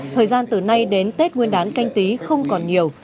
thời gian từ nay đến tết nguyên đán canh tí không còn nhiều